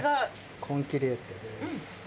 コンキリエッテです。